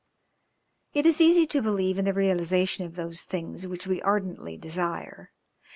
It is easy to believe in the realization of those things which we ardently desire.